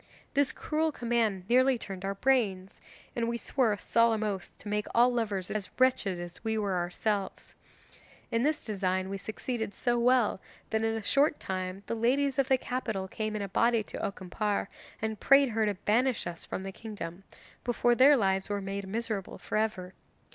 This cruel command nearly turned our brains, and we swore a solemn oath to make all lovers as wretched as we were ourselves. In this design we succeeded so well that in a short time the ladies of the capital came in a body to Okimpare, and prayed her to banish us from the kingdom, before their lives were made miserable for ever.